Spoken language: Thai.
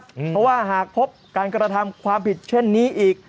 เพราะว่าหากพบการกระทำความผิดเช่นนี้อีก